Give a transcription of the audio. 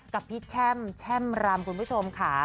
กับพี่แช่มแช่มรำคุณผู้ชมค่ะ